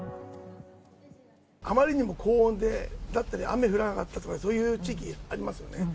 あまりにも高温で、雨降らなかったりとか、そういう地域ありますよね。